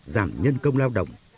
giảm nhân công lao động